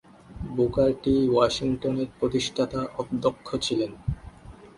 Booker T Washington এর প্রতিষ্ঠাতা অধ্যক্ষ ছিলেন।